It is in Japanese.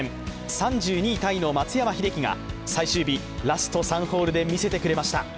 ３２位タイの松山英樹が最終日、ラスト３ホールで見せてくれました。